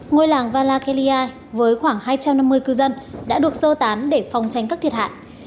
ngôi làng valakellia với khoảng hai trăm năm mươi cư dân đã được sơ tán để phòng tránh các thiệt hại